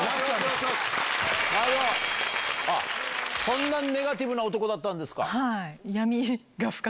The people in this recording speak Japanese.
そんなにネガティブな男だったんですか？